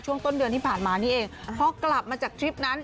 ช่วงต้นเดือนที่ผ่านมานี่เองพอกลับมาจากทริปนั้น